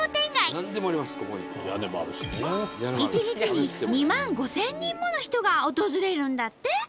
１日に２万５，０００人もの人が訪れるんだって！